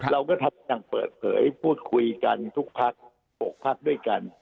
เราก็ทำอย่างเปิดเผยพูดคุยกันทุกพรรคหกพรรคด้วยกัน